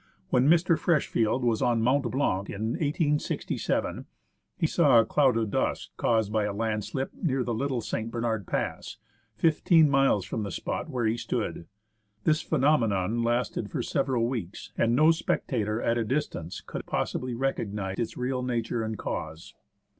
When Mr. Freshfield was on Mont Blanc in 1867, he saw a cloud of dust caused by a landslip near the Little St. Bernard Pass, fifteen miles from the spot where he stood. This phenomenon lasted for several weeks, and no spectator at a distance could possibly recognise its real nature and cause.